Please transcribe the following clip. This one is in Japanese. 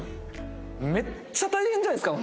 めっちゃ大変じゃないですか？